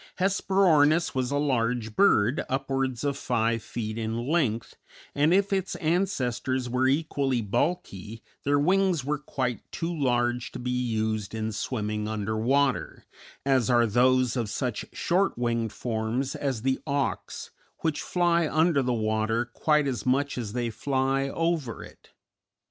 Hesperornis was a large bird, upwards of five feet in length, and if its ancestors were equally bulky their wings were quite too large to be used in swimming under water, as are those of such short winged forms as the Auks which fly under the water quite as much as they fly over it.